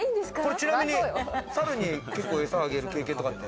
ちなみに猿に餌あげる経験とかって。